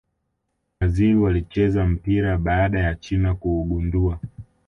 brazil walicheza mpira baada ya china kuugundua